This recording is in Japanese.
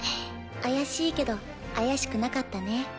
怪しいけど怪しくなかったね。